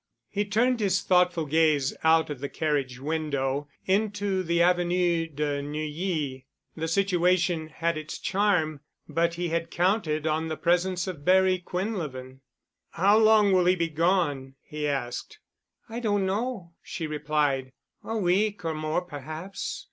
He turned his thoughtful gaze out of the carriage window into the Avenue de Neuilly. The situation had its charm, but he had counted on the presence of Barry Quinlevin. "How long will he be gone?" he asked. "I don't know," she replied, "a week or more perhaps.